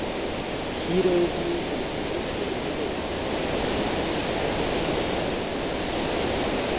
Hiro es muy inteligente pero muy agresivo lo que lo hace un poco desagradable.